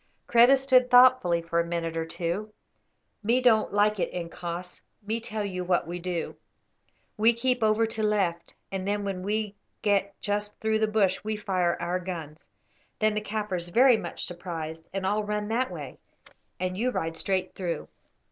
Kreta stood thoughtfully for a minute or two. "Me don't like it, incos. Me tell you what we do. We keep over to left, and then when we get just through the bush we fire our guns. Then the Kaffirs very much surprised and all run that way, and you ride straight through."